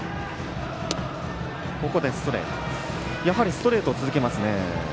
ストレートを続けますね。